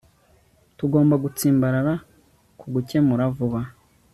Tugomba gutsimbarara ku gukemura vuba